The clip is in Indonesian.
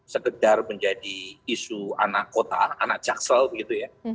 segedar menjadi isu anak kota anak jaksel gitu ya